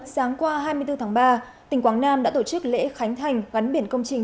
sáng qua hai mươi bốn tháng ba tỉnh quảng nam đã tổ chức lễ khánh thành gắn biển công trình